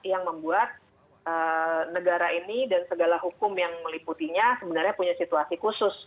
yang membuat negara ini dan segala hukum yang meliputinya sebenarnya punya situasi khusus